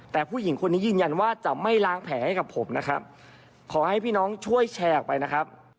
แต่ผู้หญิงคนนี้ยืนยันว่าจะไม่ล้างแผลให้กับผมนะครับขอให้พี่น้องช่วยแชร์ออกไปนะครับ